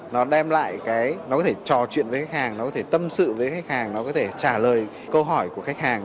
nó có thể tâm sự với khách hàng nó có thể trả lời câu hỏi của khách hàng